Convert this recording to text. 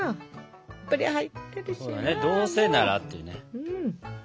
どうせならっていうね。